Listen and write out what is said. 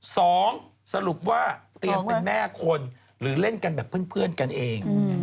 สรุปว่าเตรียมเป็นแม่คนหรือเล่นกันแบบเพื่อนกันเอง